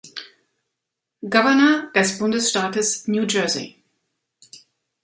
Gouverneur des Bundesstaates New Jersey.